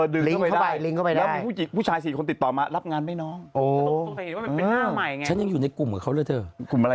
ดึงเข้าไปลิงค์เข้าไปได้